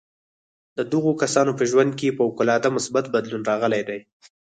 د دغو کسانو په ژوند کې فوق العاده مثبت بدلون راغلی دی